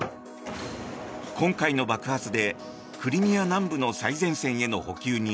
今回の爆発でクリミア南部の最前線への補給に